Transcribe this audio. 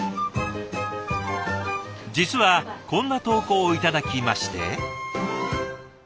実はこんな投稿を頂きまして。